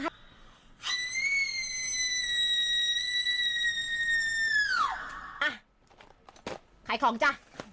อ่ะขายของจ้ะ